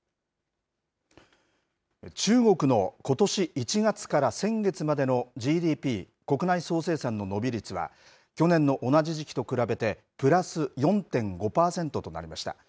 中国のことし１月から先月までのＧＤＰ・国内総生産の伸び率は、去年の同じ時期と比べてプラス４．５％となりました。